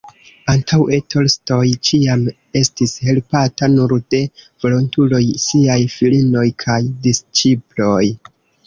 Antaŭe Tolstoj ĉiam estis helpata nur de volontuloj, siaj filinoj kaj «disĉiploj».